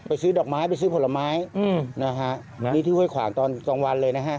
ไปซื้อดอกไม้ไปซื้อผลไม้นี่ที่ห้วยขวางตอนกลางวันเลยนะครับ